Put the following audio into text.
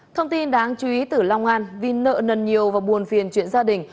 thông tin đáng chú ý từ long an vì nợ nần nhiều và buồn phiền chuyện gia đình